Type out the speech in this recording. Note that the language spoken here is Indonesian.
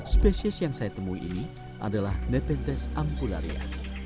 spesies yang saya temui ini adalah nepenthes ampullaria